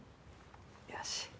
よし。